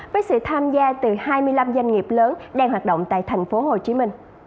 với sự tham gia từ hai mươi năm doanh nghiệp lớn đang hoạt động tại tp hcm